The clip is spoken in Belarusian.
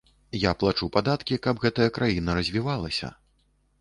Я плачу падаткі, каб гэтая краіна развівалася.